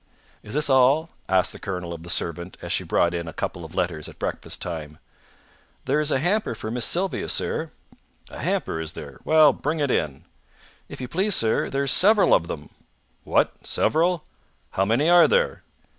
"Is this all?" asked the colonel of the servant, as she brought in a couple of letters at breakfast time. "There's a hamper for Miss Sylvia, sir." "A hamper, is there? Well, bring it in." "If you please, sir, there's several of them." "What? Several? How many are there?"